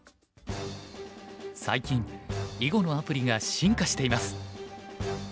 最近囲碁のアプリが進化しています。